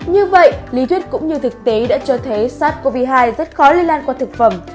như vậy lý thuyết cũng như thực tế đã cho thấy sars cov hai rất khó lây lan qua thực phẩm